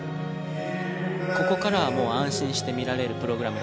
ここからは安心して見られるプログラムだと思います。